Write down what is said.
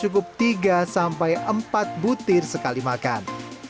untuk mengonsumsi durian cukup tiga sampai empat butir sekali makan